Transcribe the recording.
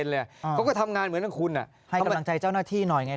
ให้กำลังใจเจ้าหน้าที่หน่อยไง